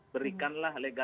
berikanlah legalitas partai